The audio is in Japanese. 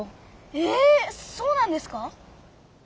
えそうなんですか？